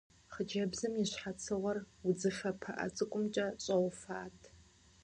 Хъыджэбзым и щхьэцыгъуэр удзыфэ пыӀэ цӀыкӀумкӀэ щӀэуфат.